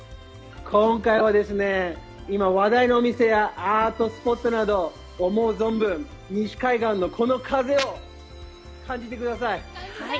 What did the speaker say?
今回はですね、今、話題のお店やアートスポットなど、思う存分、西海岸のこの風を感じてください。